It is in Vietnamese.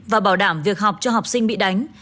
và bảo đảm việc học cho học sinh bị đánh